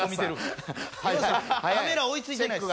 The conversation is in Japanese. カメラ追いついてないです。